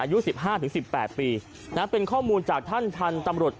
อายุสิบห้าถึงสิบแปดปีนะเป็นข้อมูลจากท่านพันธุ์ตำรวจ